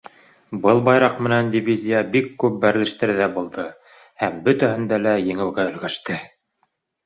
Был байраҡ менән дивизия бик күп бәрелештәрҙә булды һәм бөтәһендә лә еңеүгә өлгәште.